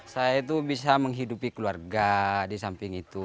saya itu bisa menghidupi keluarga di samping itu